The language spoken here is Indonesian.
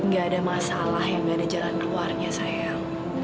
gak ada masalah yang gak ada jalan keluarnya sayang